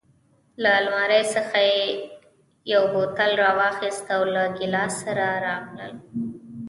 له المارۍ څخه یې یو بوتل راواخیست او له ګیلاس سره راغلل.